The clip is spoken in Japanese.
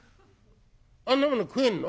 「あんなもの食えんの？」。